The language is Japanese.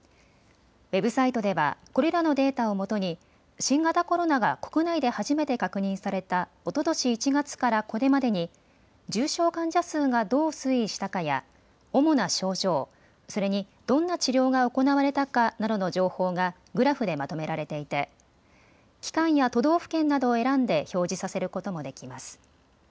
ウェブサイトではこれらのデータをもとに新型コロナが国内で初めて確認された、おととし１月からこれまでに重症患者数がどう推移したかや主な症状、それにどんな治療が行われたかなどの情報がグラフでまとめられていて期間や都道府県などを選んで表示させることもできます。